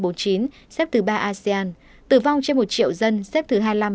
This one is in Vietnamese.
tử vong trên một triệu dân xếp thứ hai mươi năm trên bốn mươi chín quốc gia vùng lãnh thổ châu á xếp thứ bốn asean